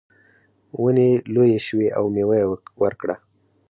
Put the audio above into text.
ونې لویې شوې او میوه یې ورکړه.